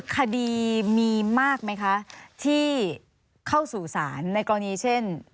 คดีมีมากไหมคะที่เข้าสู่ศาลในกรณีเช่น